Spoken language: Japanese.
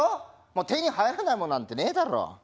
もう手に入らねえもんなんてねえだろ。